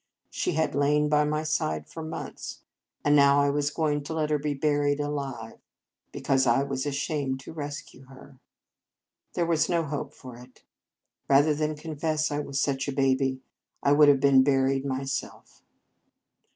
She had lain by my side for months, and now I was going to let her be buried alive, because I was ashamed to rescue her. There was no help for it. Rather than confess I was such a baby, I would have been buried myself.